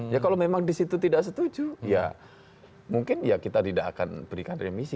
ya kalau memang di situ tidak setuju ya mungkin ya kita tidak akan berikan remisi